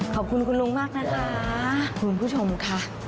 ขอบคุณคุณลุงมากนะคะคุณผู้ชมค่ะ